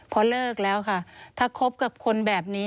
พอเลิกแล้วค่ะถ้าคบกับคนแบบนี้